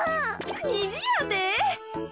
にじやて？